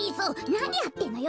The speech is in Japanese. なにやってんのよ。